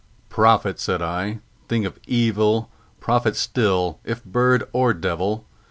"Prophet!" said I, "thing of evil! prophet still, if bird or devil!